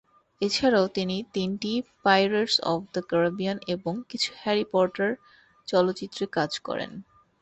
এছাড়াও তিনি তিনটি পাইরেটস অফ দা ক্যারিবিয়ান এবং কিছু হ্যারি পটার চলচ্চিত্রে কাজ করে।